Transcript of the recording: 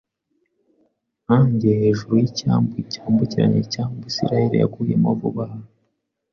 nkanjye, hejuru yicyambu cyambukiranya icyambu Isiraheli yaguyemo vuba aha.